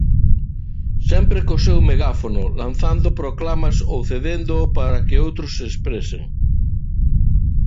Sempre co seu megáfono, lanzando proclamas ou cedéndoo para que outros se expresen.